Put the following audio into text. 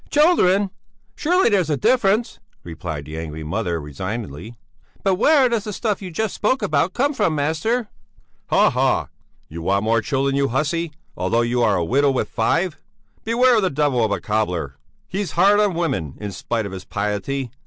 "Children! Surely, there's a difference," replied the angry mother, resignedly; "but where does the stuff you just spoke about come from, master?" "Haha! You want more children, you hussy, although you are a widow with five! Beware of that devil of a cobbler! He's hard on women, in spite of his piety.